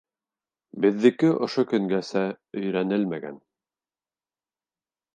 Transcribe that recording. Беҙҙеке ошо көнгәсә өйрәнелмәгән...